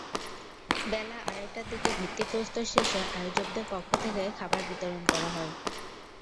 বেলা আড়াইটার দিকে ভিত্তিপ্রস্তর শেষে আয়োজকদের পক্ষ থেকে খাবার বিতরণ করা হয়।